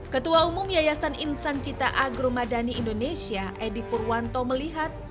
ketua umum yayasan insan cita agro madani indonesia edi purwanto melihat